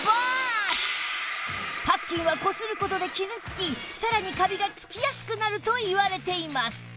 パッキンはこする事で傷つきさらにカビがつきやすくなるといわれています